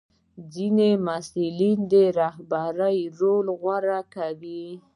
ځینې محصلین د رهبرۍ رول غوره کوي.